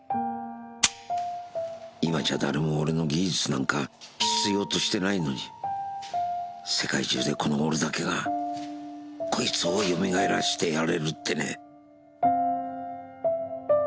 今じゃ誰も俺の技術なんか必要としてないのに世界中でこの俺だけがこいつをよみがえらせてやれるってね。